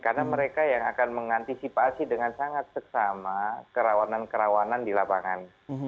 karena mereka yang akan mengantisipasi dengan sangat bersama kerawanan kerawanan di lapangan